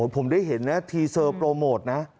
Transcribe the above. ผมได้เห็นนะทีเซอร์โปรโมทนะ